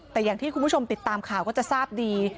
แต่อย่างที่คุณผู้ชมติดตามข่าวก็จะทราบดี